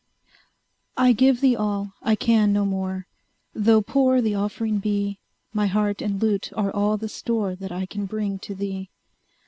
I give thee all I can no more Tho' poor the offering be; My heart and lute are all the store That I can bring to thee.